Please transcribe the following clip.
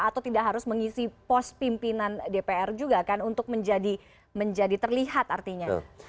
atau tidak harus mengisi pos pimpinan dpr juga kan untuk menjadi terlihat artinya